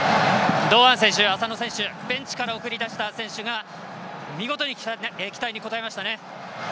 堂安選手、浅野選手ベンチから送り出した選手が見事に期待に応えましたね。